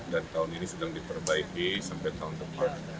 dan tahun ini sudah diperbaiki sampai tahun depan